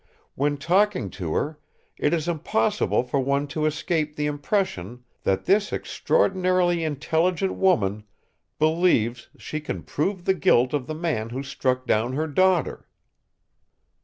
When talking to her, it is impossible for one to escape the impression that this extraordinarily intelligent woman believes she can prove the guilt of the man who struck down her daughter."